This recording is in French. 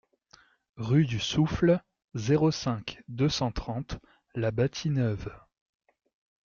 Rue du Souffle, zéro cinq, deux cent trente La Bâtie-Neuve